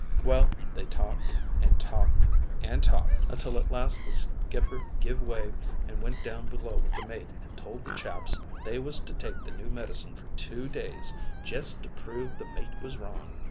"Well, they talked, and talked, and talked, until at last the skipper give way and went down below with the mate, and told the chaps they was to take the new medicine for two days, jest to prove the mate was wrong.